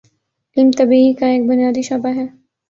علم طبیعی کا ایک بنیادی شعبہ ہے